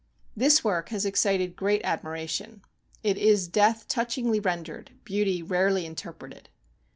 This work has excited great admiration. It is death touchingly ren dered вҖ" beauty rarely interpreted.